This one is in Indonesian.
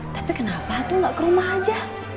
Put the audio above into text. tapi kenapa tuh gak ke rumah aja